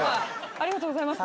ありがとうございます。